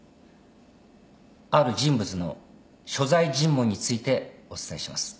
ある人物の所在尋問についてお伝えします。